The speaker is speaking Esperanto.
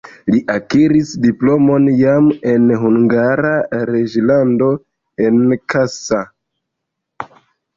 Li akiris diplomon jam en Hungara reĝlando en Kassa.